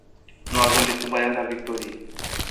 Nu avem decât varianta victoriei.